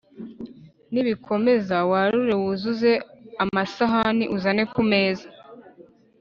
Nibikomeza, warure wuzuze amasahani, uzane ku meza.